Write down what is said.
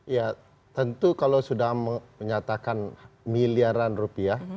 ya tentu kalau sudah menyatakan miliaran rupiah